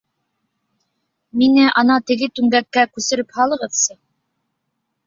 — Мине ана теге түңгәккә күсереп һалығыҙсы.